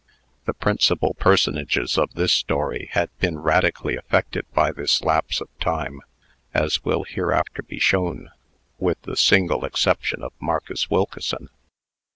The principal personages of this history had been radically affected by this lapse of time as will hereafter be shown with the single exception of Marcus Wilkeson.